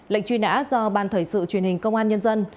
lệnh truy nã do ban thời sự truyền hình công an nhân dân